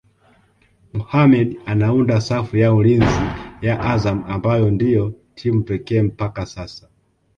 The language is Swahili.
Mohammed anaunda safu ya ulinzi ya Azam ambayo ndio timu pekee mpaka sasa